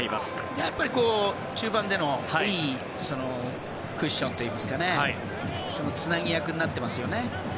やっぱり中盤でのいいクッションといいますかつなぎ役になっていますよね。